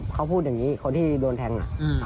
เขาพูดอย่างนี้คนที่โดนแทงน่ะ